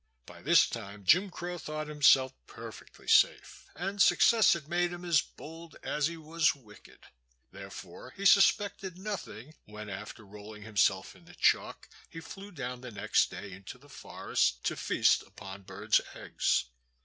By this time Jim Crow thought himself perfectly safe, and success had made him as bold as he was wicked. Therefore he suspected nothing when, after rolling himself in the chalk, he flew down the next day into the forest to feast upon birds' eggs.